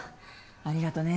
ありがとね